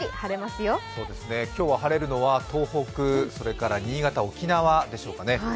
今日は晴れるのは東北、新潟、沖縄でしょうかね。